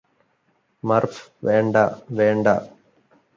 മര്ഫ് വേണ്ട വേണ്ട